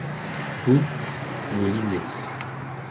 Vous, vous lisez.